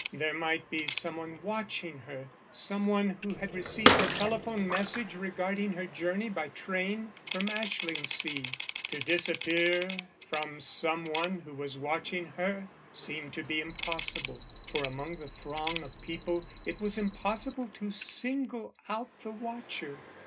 There might be some one watching her some one who had received a telephone message regarding her journey by train from Ashlingsea. To disappear from some one who was watching her seemed to be impossible, for among the throng of people it was impossible to single out the watcher.